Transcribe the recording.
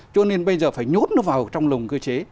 cho nên bây giờ phải nhốt nó vào trong lồng cơ chế